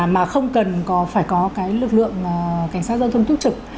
mà không cần phải có cái lực lượng cảnh sát giao thông túc trực